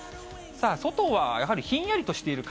外はやはりひんやりとしている感